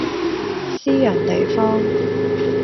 私人地方